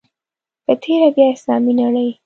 په تېره بیا اسلامي نړۍ.